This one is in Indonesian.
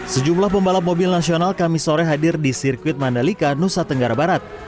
sejumlah pembalap mobil nasional kami sore hadir di sirkuit mandalika nusa tenggara barat